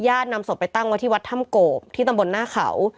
นำศพไปตั้งไว้ที่วัดถ้ำโกบที่ตำบลหน้าเขา